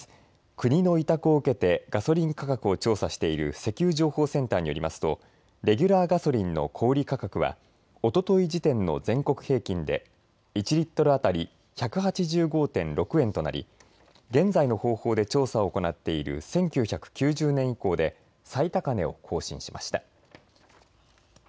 国の委託を受けてガソリン価格を調査している石油情報センターによりますとレギュラーガソリンの小売価格はおととい時点の全国平均で１リットル当たり１８５．６円となり現在の方法で調査を行っている１９９０年以降で最高値を更新しました。